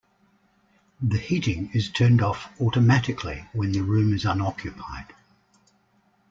The heating is turned off automatically when the room is unoccupied.